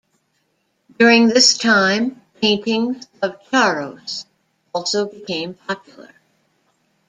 During this time, paintings of charros also became popular.